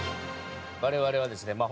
我々はですねまあ